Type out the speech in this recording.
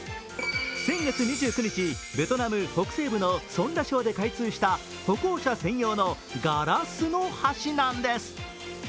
先月２９日、ベトナム北西部のソンラ省で開通した歩行者専用のガラスの橋なんです。